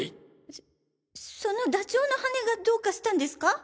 そそのダチョウの羽根がどうかしたんですか？